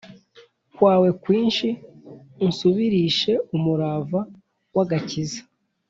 kwawe kwinshi Unsubirishe umurava w agakiza